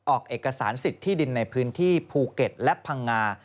ออกเอกสารสิทธิ์ที่ดินในพื้นที่ภูเก็ตและพังงา